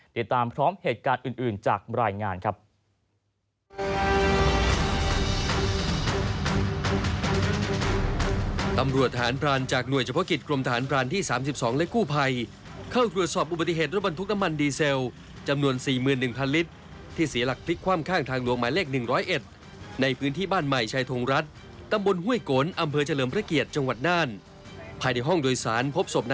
ติดตามพร้อมเหตุการณ์อื่นจากรายงานครับ